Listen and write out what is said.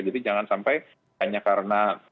jadi jangan sampai hanya karena